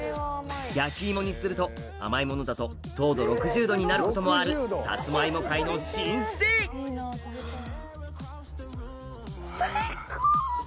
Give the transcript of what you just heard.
焼き芋にすると甘いものだと糖度６０度になることもあるさつまいも界の新星最高！